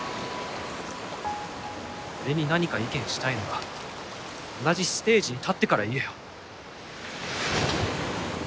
俺に何か意見したいなら同じステージに立ってから言えよ